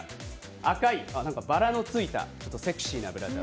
赤いばらのついたセクシーなブラジャー。